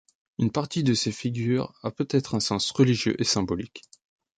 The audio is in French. Une partie de ces figures a peut-être un sens religieux et symbolique.